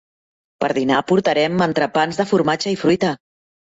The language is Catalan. Per dinar portarem entrepans de formatge i fruita.